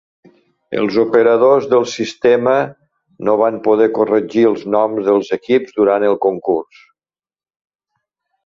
Els operadors del sistema no van poder corregir els noms dels equips durant el concurs.